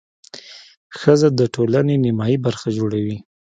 ښځه د ټولنې نیمایي برخه جوړوي.